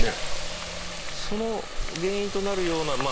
その原因となるようなまあ